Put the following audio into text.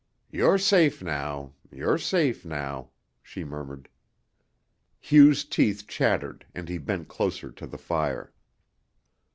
"You're safe now. You're safe now," she murmured. Hugh's teeth chattered, and he bent closer to the fire.